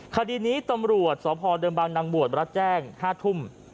คดีนี้ตำรวจสธดนบรัดแจ้ง๕ทุ่ม